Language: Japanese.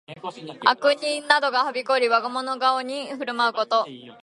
悪人などがはびこり、我がもの顔に振る舞うこと。